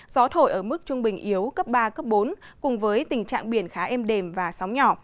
gió thổi ở mức trung bình yếu cấp ba bốn cùng với tình trạng biển khá êm đềm và sóng nhỏ